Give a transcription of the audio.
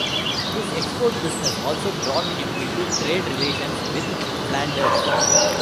His export business also brought him into trade relations with Flanders.